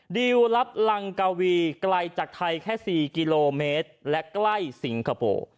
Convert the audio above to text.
ดิวรัฐลังกาวีไกลจากไทยแค่๔กิโลเมตรและใกล้สิงคโปร์